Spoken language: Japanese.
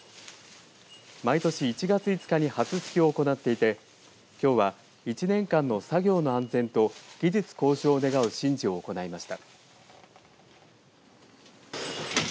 毎年１月５日に初すきを行っていてきょうは１年間の作業の安全と技術向上を願う神事を行いました。